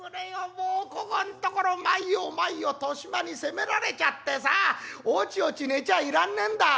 もうここんところ毎夜毎夜年増に攻められちゃってさあおちおち寝ちゃあいらんねえんだ」。